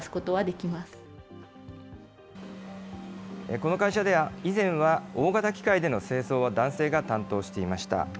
この会社では、以前は大型機械での清掃は男性が担当していました。